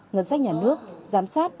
ngân sách nhà nước giám sát